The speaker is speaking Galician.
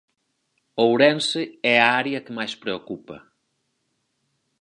Ourense é a área que máis preocupa.